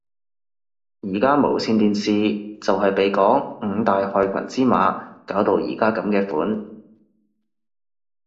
而家無線電視就係被嗰五大害群之馬搞到而家噉嘅款